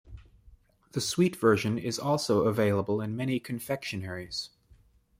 The sweet version is also available in many confectioneries.